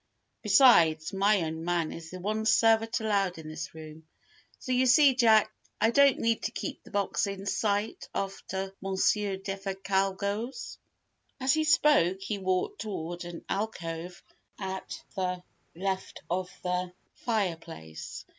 Besides, my own man is the one servant allowed in this room. So you see, Jack, I don't need to keep the box 'in sight' after Monsieur Defasquelle goes." As he spoke, he walked toward an alcove at the left of the fireplace.